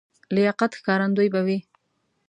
لیاقت ښکارندوی به وي.